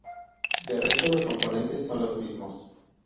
De resto, los componentes son los mismos.